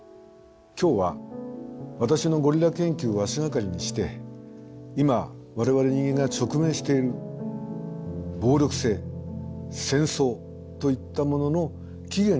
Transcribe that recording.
今日は私のゴリラ研究を足がかりにして今我々人間が直面している暴力性戦争といったものの起源について考えてみようと思います。